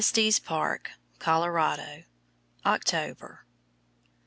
ESTES PARK, COLORADO, October.